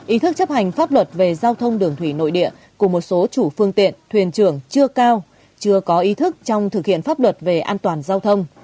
ý thức chấp hành pháp luật về giao thông đường thủy nội địa của một số chủ phương tiện thuyền trưởng chưa cao chưa có ý thức trong thực hiện pháp luật về an toàn giao thông